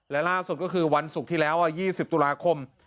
และล่าสุดก็คือวันศุกร์ที่แล้ว๒๐ตุลาคม